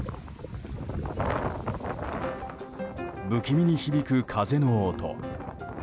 不気味に響く風の音。